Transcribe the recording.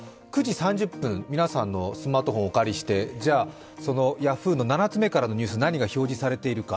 ９時３０分、皆さんのスマートフォンをお借りしてじゃあそのＹａｈｏｏ！の７つ目からのニュース、何が表示されているか。